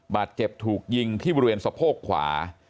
บาดเจ็บถูกยิงที่บริเวณสะโพกขวา